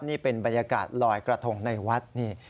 นี่เป็นบรรยากาศลอยกระทงในวัดนี่